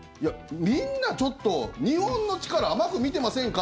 みんなちょっと、日本の力甘く見てませんか？